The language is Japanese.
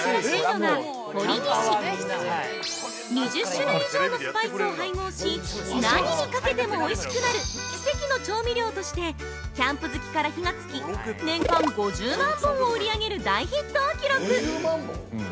２０種類以上のスパイスを配合し、何にかけてもおいしくなる「奇跡の調味料」としてキャンプ好きから火がつき、年間５０万本を売り上げる大ヒットを記録！